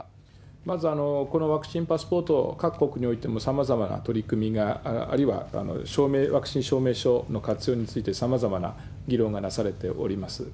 まず、このワクチンパスポート、各国においてもさまざまな取り組みが、あるいはワクチン証明書の活用についてさまざまな議論がなされております。